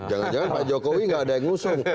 jangan jangan pak jokowi gak ada yang ngusung